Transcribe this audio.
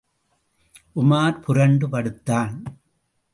உமார் புரண்டு படுத்தான்.